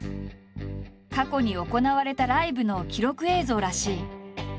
過去に行われたライブの記録映像らしい。